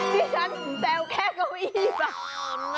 ที่ฉันแจวแค่เก้าอี้วัด